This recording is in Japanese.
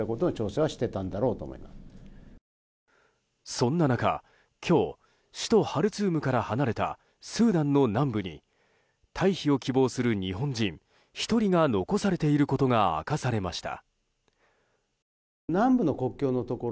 そんな中、今日首都ハルツームから離れたスーダンの南部に退避を希望する日本人１人が残されていることが明かされました。